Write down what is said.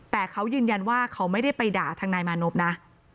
แต่เขายืนยันว่าเขาไม่ได้ไปด่าทางนายมานพนะ